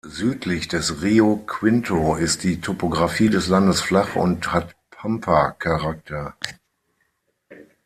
Südlich des Río Quinto ist die Topografie des Landes flach und hat Pampa-Charakter.